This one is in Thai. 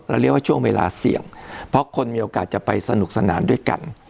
เรียกว่าช่วงเวลาเสี่ยงเพราะคนมีโอกาสจะไปสนุกสนานด้วยกัน